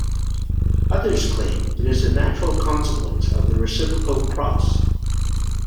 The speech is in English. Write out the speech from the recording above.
Others claim it is a natural consequence of the reciprocal cross.